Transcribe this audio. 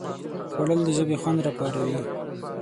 خوړل د ژبې خوند راپاروي